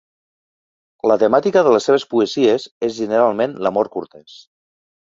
La temàtica de les seves poesies és generalment l'amor cortès.